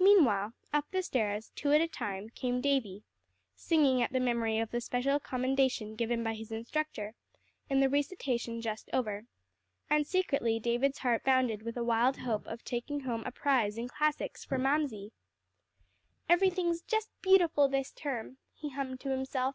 Meanwhile, up the stairs, two at a time, came Davie, singing at the memory of the special commendation given by his instructor in the recitation just over; and secretly David's heart bounded with a wild hope of taking home a prize in classics for Mamsie! "Everything's just beautiful this term!" he hummed to himself.